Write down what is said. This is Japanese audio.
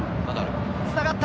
つながった！